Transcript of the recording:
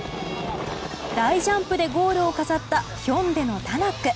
大ジャンプでゴールを飾ったヒョンデのタナック。